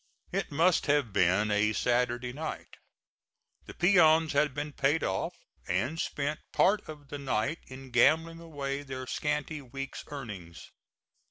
It must have been a Saturday night; the peons had been paid off, and spent part of the night in gambling away their scanty week's earnings.